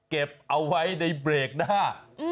เก็บเอาไว้ในเบรกหน้า